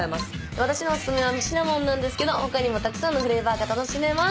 私のお薦めはシナモンなんですけど他にもたくさんのフレーバーが楽しめます。